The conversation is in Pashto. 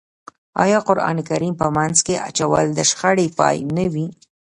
آیا قرآن کریم په منځ کې اچول د شخړې پای نه وي؟